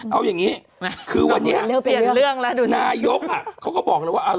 เอาอย่างนี้คือวันนี้นายกเขาก็บอกเลยว่า